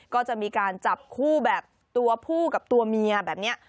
ก็จะมีการจับคู่แบบตัวผู้กับตัวเมียแบบนี้